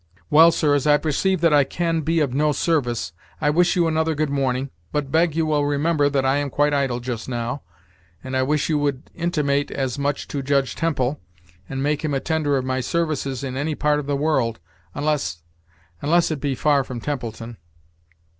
"Well, sir, as I perceive that I can be of no service, I wish you another good morning; but beg you will remember that I am quite idle just now, and I wish you would intimate as much to Judge Temple, and make him a ten der of my services in any part of the world, \ unless unless it be far from Templeton."